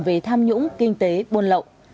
về tham nhũng kinh tế buôn lộ